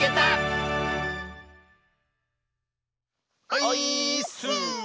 オイーッス！